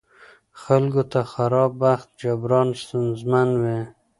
خلکو ته خراب بخت جبران ستونزمن وي.